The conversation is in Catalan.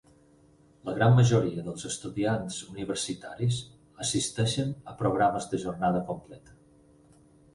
La gran majoria dels estudiants universitaris assisteixen a programes de jornada completa.